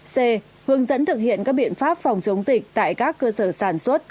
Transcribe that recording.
c hướng dẫn thực hiện các biện pháp phòng chống dịch tại các cơ sở sản xuất